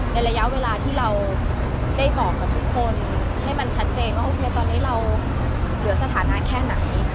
ระยะเวลาที่เราได้บอกกับทุกคนให้มันชัดเจนว่าโอเคตอนนี้เราเหลือสถานะแค่ไหน